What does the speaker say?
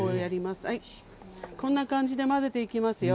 こんな感じで混ぜていきますよ。